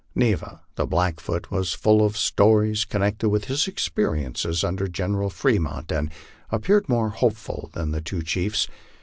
Neva, the Blackfoot, was full of stories connected with his experiences under General Fremont, and appeared more hopeful than the two chiefs.